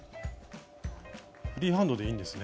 フリーハンドでいいんですね。